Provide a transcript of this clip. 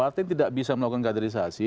artinya tidak bisa melakukan kaderisasi